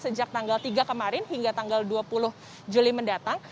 sejak tanggal tiga kemarin hingga tanggal dua puluh juli mendatang